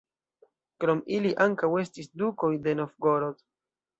Krom ili ankaŭ estis dukoj de Novgorod.